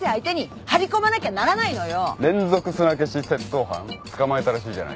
連続砂消し窃盗犯捕まえたらしいじゃないか。